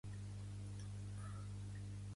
Els musulmans van arribar a conquerir tota Catalunya?